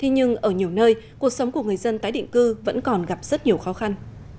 nhưng ở nhiều nơi cuộc sống của người dân tái định cư vẫn còn gặp rất nhiều khó khăn